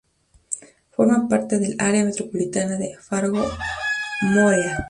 Forma parte del área metropolitana de Fargo–Moorhead.